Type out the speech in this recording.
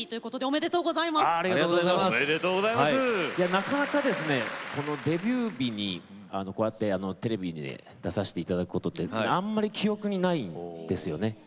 なかなかデビュー日にテレビに出させていただくことあんまり記憶にないんですよね。